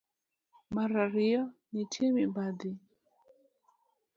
Mar ariyo, nitie mibadhi.